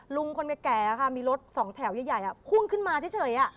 ลุงคนแก่มีรถสองแถวใหญ่พุ่งขึ้นมาเฉย